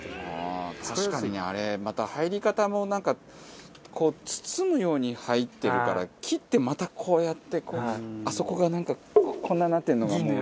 ああ確かにねあれまた入り方もなんかこう包むように入ってるから切ってまたこうやってこうあそこがなんかこんなんなってんのがもう。